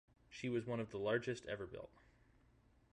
She was one of the largest ever built.